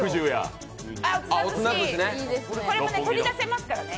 これも取り出せますからね